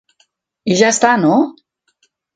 I ja està, no?